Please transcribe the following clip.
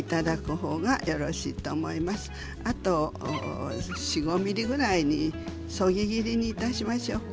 それと４、５ｍｍぐらいにそぎ切りにいたしましょうか。